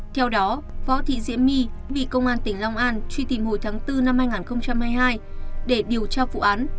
theo đó võ thị diễm my bị công an tỉnh long an truy tìm hồi tháng bốn năm hai nghìn hai mươi hai để điều tra vụ án